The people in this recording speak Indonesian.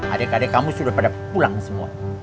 adik adik kamu sudah pada pulang semua